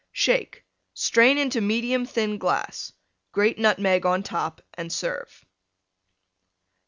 Shake; strain into medium thin glass; grate Nutmeg on top and serve.